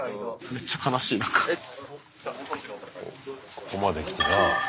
ここまできてなあ。